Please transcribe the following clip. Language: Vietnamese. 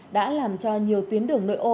đã làm cho nhiều tuyến đường nội ô